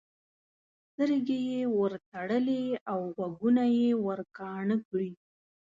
سترګې یې ورتړلې او غوږونه یې ورکاڼه کړي.